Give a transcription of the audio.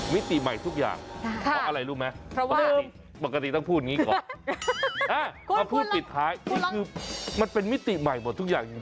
มิติใหม่ทุกอย่างเพราะอะไรรู้ไหมปกติต้องพูดอย่างนี้ก่อนมาพูดปิดท้ายนี่คือมันเป็นมิติใหม่หมดทุกอย่างจริง